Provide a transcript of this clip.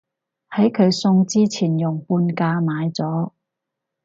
喺佢送之前用半價買咗